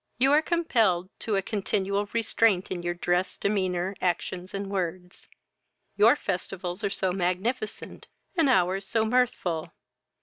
"You are compelled to a continual restraint in your dress, demeanour, actions, and words: your festivals are so magnificent, and our's so mirthful!